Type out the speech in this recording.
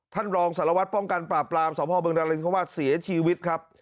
ท่านรองสารวัตรป้องกันปราบปรามสมภาพบึงนารินทวาสเสียชีวิตครับ